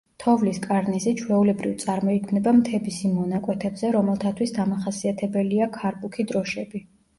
თოვლის კარნიზი ჩვეულებრივ წარმოიქმნება მთების იმ მონაკვეთებზე, რომელთათვის დამახასიათებელია „ქარბუქი დროშები“.